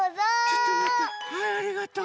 ちょっとまってはいありがとう。